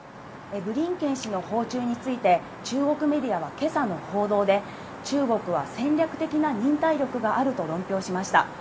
ブリンケン氏の訪中について、中国メディアは今朝の報道で、中国は戦略的な忍耐力があると論評しました。